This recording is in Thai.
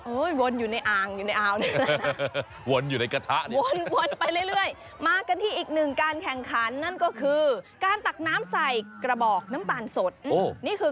โอ้ยวนอยู่ในอ่างอยู่ในอาวนี่